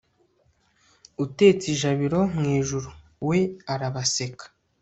utetse ijabiro mu ijuru, we arabaseka